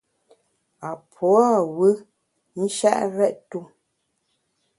A pua’ wù nshèt rèt-tu.